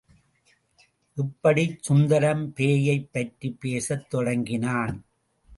இப்படிச் சுந்தரம் பேயை பற்றிப் பேசத் தொடங்கினான்.